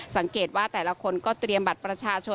สังเกตว่าแต่ละคนก็เตรียมบัตรประชาชน